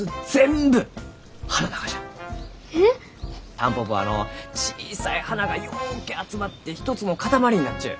タンポポはのう小さい花がようけ集まって一つのかたまりになっちゅう。